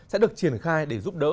sẽ được triển khai để giúp đỡ